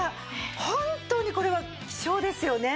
本当にこれは希少ですよね！